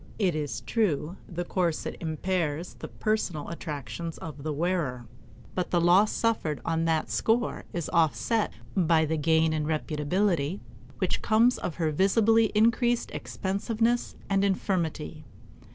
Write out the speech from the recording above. It is true, the corset impairs the personal attractions of the wearer, but the loss suffered on that score is offset by the gain in reputability which comes of her visibly increased expensiveness and infirmity.